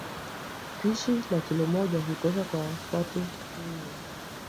Pishi la kilo moja hutosha kwa watu nne